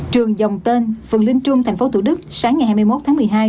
trường dòng tên phường linh trung tp thủ đức sáng ngày hai mươi một tháng một mươi hai